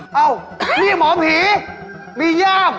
เอ้านี่หมอผีมีย่าม